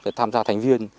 thì tham gia thành viên